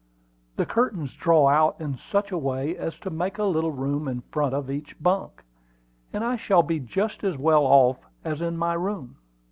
The curtains draw out in such a way as to make a little room in front of each bunk, and I shall be just as well off as in my room."